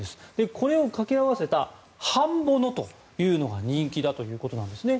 これを掛け合わせたハンボノというのが人気だということなんですね。